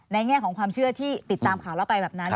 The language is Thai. แง่ของความเชื่อที่ติดตามข่าวเราไปแบบนั้น